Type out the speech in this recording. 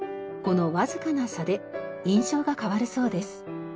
このわずかな差で印象が変わるそうです。